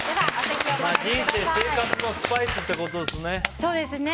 人生、生活のスパイスってことですね。